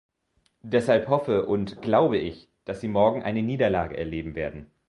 Deshalb hoffe und glaube ich, dass Sie morgen eine Niederlage erleben werden.